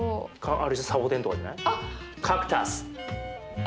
あれじゃんサボテンとかじゃない？